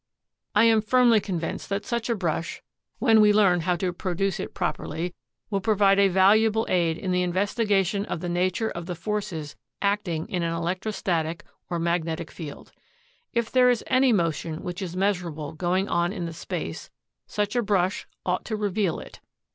"I am firmly convinced that such a brush, when we learn how to produce it properly, will prove a valuable aid in the investiga tion of the nature of the forces acting in an electrostatic or magnetic field. If there is any motion which is measurable going on in the space, such a brush ought to reveal it.